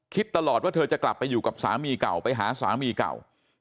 ตลอดว่าเธอจะกลับไปอยู่กับสามีเก่าไปหาสามีเก่า